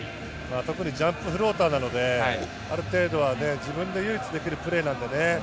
特にジャンプフローターなので、ある程度は自分で唯一できるプレーなのでね。